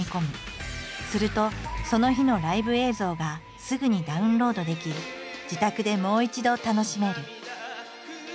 するとその日のライブ映像がすぐにダウンロードでき自宅でもう一度楽しめる。